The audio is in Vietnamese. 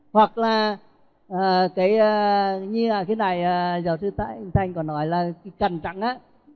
hoặc là cái như là cái này giáo sư thái anh thanh còn nói là cái cằn trắng á